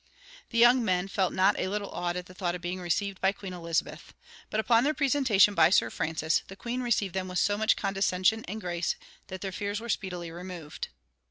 The young men felt not a little awed at the thought of being received by Queen Elizabeth. But upon their presentation by Sir Francis, the Queen received them with so much condescension and grace that their fears were speedily removed.